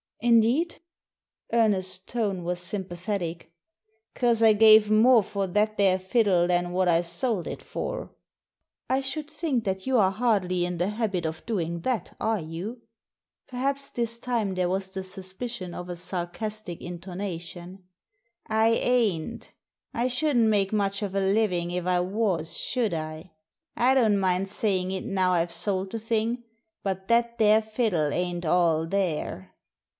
"Indeed?" Ernest's tone was sympathetic " 'Cause I gave more for that there fiddle than what I sold it for." " I should think that you are hardly in the habit of doing that, are you ?" Perhaps this time there was the suspicion of a sar castic intonation. " I ain't I shouldn't make much of a living if I was, should I ? I don't mind saying it now I've sold the thing, but that there fiddle ain't all there."